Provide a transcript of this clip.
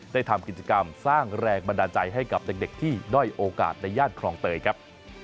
ทำกิจกรรมสร้างแรงบันดาลใจให้กับเด็กที่ด้อยโอกาสในย่านคลองเตยครับ